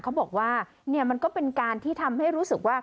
เขาบอกว่าเนี่ยมันก็เป็นการที่ทำให้รู้สึกว่า